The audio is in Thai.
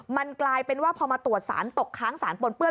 มันกลายเป็นว่าพอมาตรวจสารตกค้างสารปนเปื้อ